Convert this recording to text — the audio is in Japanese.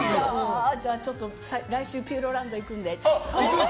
じゃあ、ちょっと来週ピューロランドに行くので。